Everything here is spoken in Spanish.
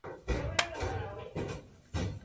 Se incorpora la advocación de Mª Stma.